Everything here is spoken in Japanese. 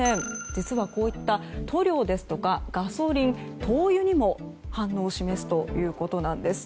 実はこういった塗料ですとかガソリン、灯油にも反応を示すということです。